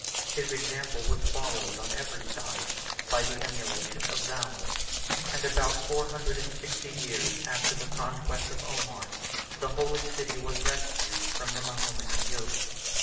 His example was followed on every side by the emulation of valor; and about four hundred and sixty years after the conquest of Omar, the holy city was rescued from the Mahometan yoke.